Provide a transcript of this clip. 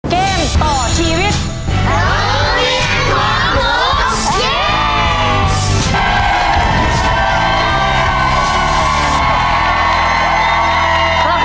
เกมต่อชีวิต